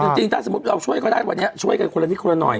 จริงถ้าสมมุติเราช่วยเขาได้วันนี้ช่วยกันคนละนิดคนละหน่อย